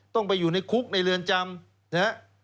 ต้องไปอยู่ในคุกในเรือนจำนะฮะ